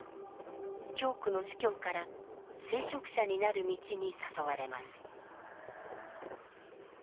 教区の司教から聖職者になる道に誘われます。